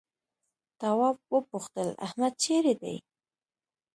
تواب وپوښتل احمد چيرې دی؟